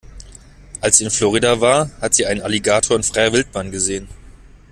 Als sie in Florida war, hat sie einen Alligator in freier Wildbahn gesehen.